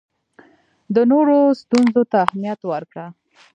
د نورو ستونزو ته اهمیت ورکړه.